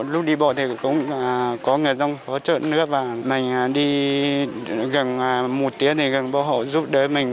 lúc đi bộ thì cũng có người dân hỗ trợ nước và mình đi gần một tiếng thì gần bố hộ giúp đỡ mình